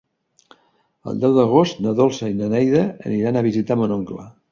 El deu d'agost na Dolça i na Neida aniran a visitar mon oncle.